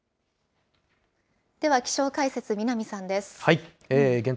では気象解説、南さんです。